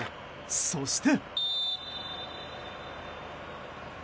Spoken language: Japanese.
そして。